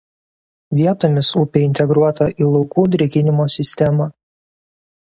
Vietomis upė integruota į laukų drėkinimo sistemą.